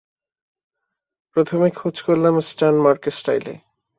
প্রথমে খোঁজ করলাম ইষ্টার্ন মার্কেস্টাইলে।